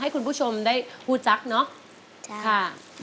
ให้คุณผู้ชมได้พูดจักเนอะค่ะจ้าจ้า